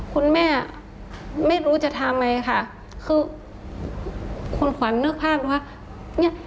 คุณแม่ไม่รู้จะทำอะไรค่ะคือคุณขวัญเนื้อภาพรู้ไหมคะ